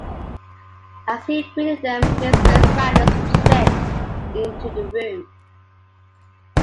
As he greeted them, Mr. Magnus tripped into the room.